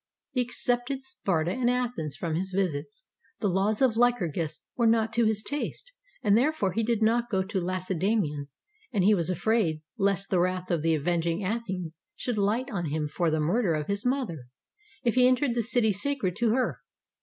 '" He excepted Sparta and Athens from his visits. The laws of Lycurgus were not to his taste, and therefore he did not go to Lacedaemon ; and he was afraid lest the wrath of the avenging Athene should light on him for the murder of his mother, if he entered the city sacred to her.